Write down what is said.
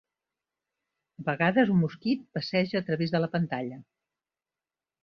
A vegades un mosquit passeja a través de la pantalla.